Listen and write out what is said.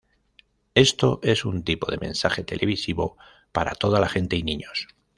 Esto es un tipo de mensaje televisivo para toda la gente y niños